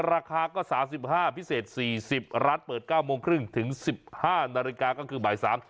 ราคาก็๓๕พิเศษ๔๐ร้านเปิด๙โมงครึ่งถึง๑๕นาฬิกาก็คือบ่าย๓